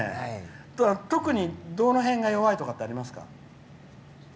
特に、どの辺が弱いとかってありますか？